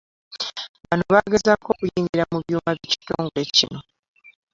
Bano baagezaako okuyingira mu byuma by'ekitongole kino